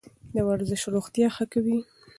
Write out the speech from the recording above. ورزش روغتیا ښه کوي.